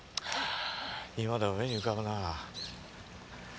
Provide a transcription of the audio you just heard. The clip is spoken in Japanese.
今でも目に浮かぶなぁ。